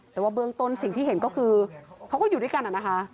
แต่ว่าเบื้องต้นสิ่งที่เห็นก็คือเขาก็อยู่ด้วยกันนะคะ